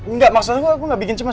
nggak maksud aku aku gak bikin cemas